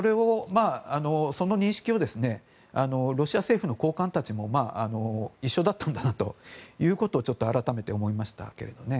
その認識がロシア政府の高官たちも一緒だったんだなということを改めて思いましたけどね。